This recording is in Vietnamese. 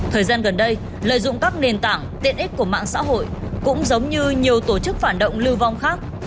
thời gian gần đây lợi dụng các nền tảng tiện ích của mạng xã hội cũng giống như nhiều tổ chức phản động lưu vong khác